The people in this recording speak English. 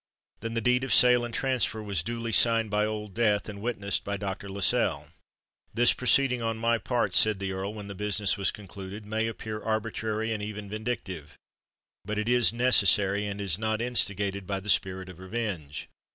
Then the deed of sale and transfer was duly signed by Old Death, and witnessed by Dr. Lascelles. "This proceeding on my part," said the Earl, when the business was concluded, "may appear arbitrary and even vindictive; but it is necessary, and is not instigated by the spirit of revenge.